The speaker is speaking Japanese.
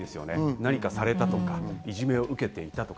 何かされたとか、いじめを受けていたとか。